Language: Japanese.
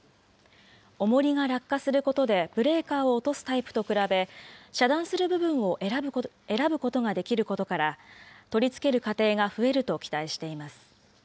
おもりが落下することでブレーカーを落とすタイプと比べ、遮断する部分を選ぶことができることから、取り付ける家庭が増えると期待しています。